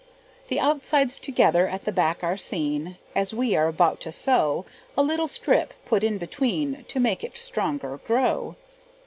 The out sides together at the back are seen, As we are about to sew A little strip, put in between, To make it stronger grow.